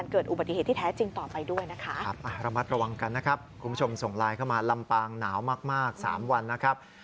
คุณผู้ชมส่งไลน์เข้ามาลำปางหนาวมาก๓วันนะครับ